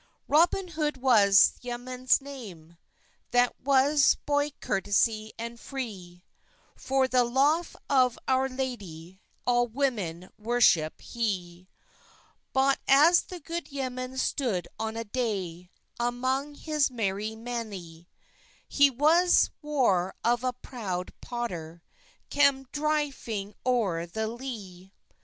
Roben Hood was the yemans name, That was boyt corteys and fre; For the loffe of owr ladey, All wemen werschep he. Bot as the god yemen stod on a day, Among hes mery manèy, He was war of a prowd potter, Cam dryfyng owyr the ley.